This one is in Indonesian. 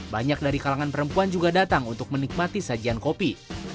banyak dari kalangan perempuan juga datang untuk menikmati sajian kopi